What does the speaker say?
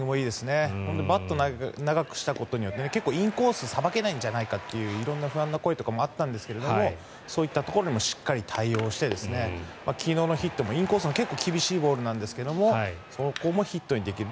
バットを長くしたことによって結構インコースをさばけないんじゃないかという色んな不安な声もあったんですがそういったところもしっかり対応して昨日のヒットも、インコースの結構厳しいボールですがそこもヒットにできる。